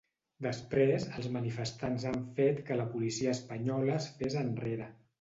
Després, els manifestants han fet que la policia espanyola es fes enrere.